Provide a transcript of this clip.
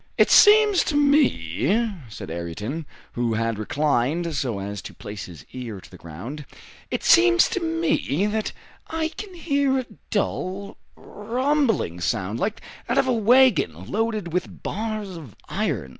"It seems to me," said Ayrton, who had reclined so as to place his ear to the ground, "it seems to me that I can hear a dull, rumbling sound, like that of a wagon loaded with bars of iron."